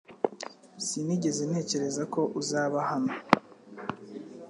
Sinigeze ntekereza ko uzaba hano